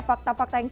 fakta fakta yang ini